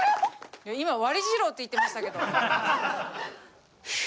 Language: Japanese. いや今「割治郎」って言ってましたけど。